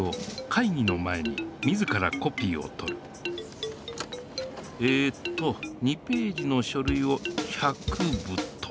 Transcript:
かいぎの前に自らコピーをとるえっと２ページのしょるいを１００部と。